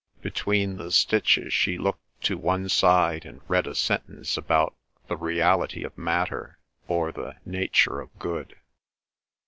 Between the stitches she looked to one side and read a sentence about the Reality of Matter, or the Nature of Good.